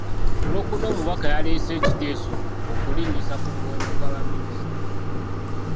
Ku Lwokuna omubaka yaleese ekiteeso okulinnyisa ku muwendo gwa baminisita.